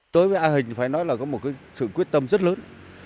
đối với a hình phải nói là có một sự quyết tâm rất lớn